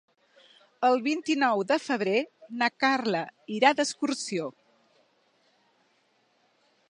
El vint-i-nou de febrer na Carla irà d'excursió.